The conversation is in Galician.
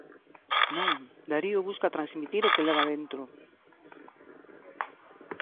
Non, Darío busca transmitir o que leva dentro.